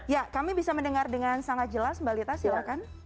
ya kami bisa mendengar dengan sangat jelas mbak lita silakan